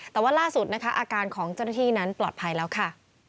แต่ว่าล่าสุดนะคะอาการของเจ้าหน้าที่นั้นปลอดภัยแล้วค่ะ